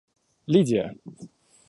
Лидия